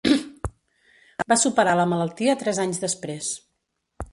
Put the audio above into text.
Va superar la malaltia tres anys després.